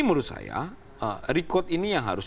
menurut saya rekod ini yang harus